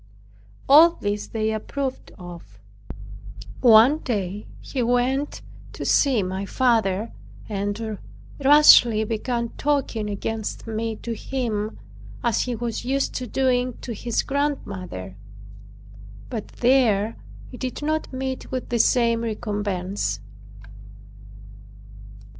All this they approved of. One day he went to see my father and rashly began talking against me to him, as he was used to doing to his grandmother. But there it did not meet with the same recompense.